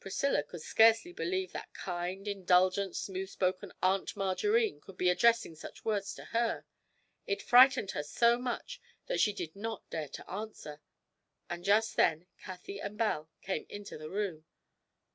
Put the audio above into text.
Priscilla could scarcely believe that kind, indulgent, smooth spoken Aunt Margarine could be addressing such words to her; it frightened her so much that she did not dare to answer, and just then Cathie and Belle came into the room.